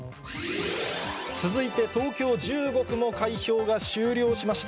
続いて東京１５区も開票が終了しました。